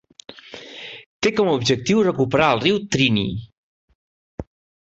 Té com a objectiu recuperar el riu Triniy.